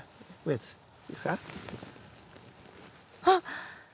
あっ！